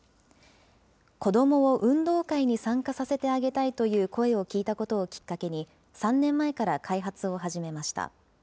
子どもを運動会に参加させてあげたいという声を聞いたことをきっかけに、３年前から開発を始めました。